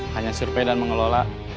hanya survei dan mengelola